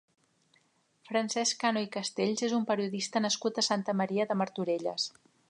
Francesc Cano i Castells és un periodista nascut a Santa Maria de Martorelles.